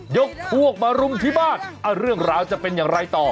ยกพวกมารุมที่บ้านเรื่องราวจะเป็นอย่างไรต่อ